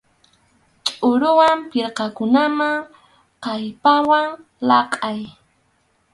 Tʼuruwan pirqakunaman kallpawan laqʼay.